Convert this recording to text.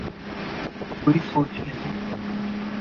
کوئی سوچ نہیں ہے۔